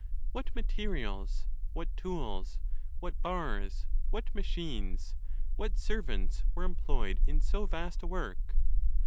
What materials, what tools, what bars, what machines, what ser vants, were employed in so vast a work?